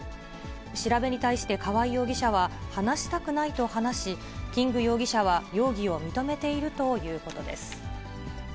調べに対して川合容疑者は、話したくないと話し、キング容疑者は容疑を認めているということです。